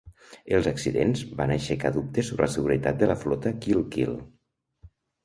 Els accidents van aixecà dubtes sobre la seguretat de la flota Kilkeel.